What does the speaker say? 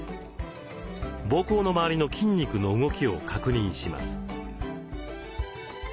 膀胱の周りの筋肉の動きを確認します。